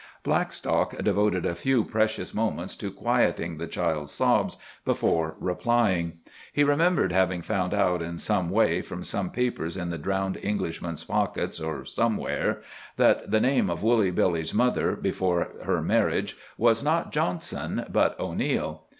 Blackstock devoted a few precious moments to quieting the child's sobs before replying. He remembered having found out in some way, from some papers in the drowned Englishman's pockets or somewhere, that the name of Woolly Billy's mother, before her marriage, was not Johnson, but O'Neil.